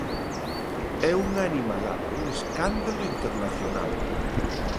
É unha animalada, un escándalo internacional.